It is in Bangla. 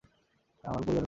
আমাদের পরিবারের মূল।